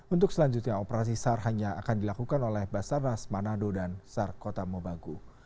untuk selanjutnya operasi sar hanya akan dilakukan oleh basarnas manado dan sar kota mobagu